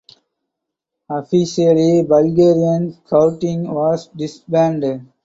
Officially Bulgarian Scouting was disbanded.